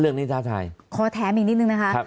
เรื่องนี้ท้าทายขอแถมอีกนิดหนึ่งนะคะครับ